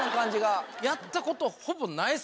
やったことほぼないですもん。